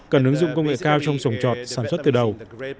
cần ứng dụng công nghệ cao trong trồng trọt sản xuất từ đầu